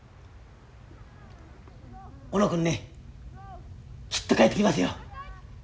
小野君ねきっと帰ってきますよ。